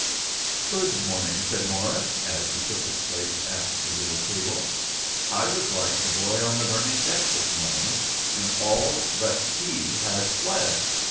"Good morning," said Morris, as he took his place at the little table. "I was like the boy on the burning deck this morning, when all but he had fled.